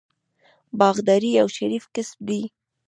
باغداري یو شریف کسب دی.